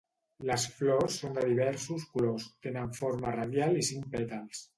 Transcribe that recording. Les flors són de diversos colors, tenen forma radial i cinc pètals.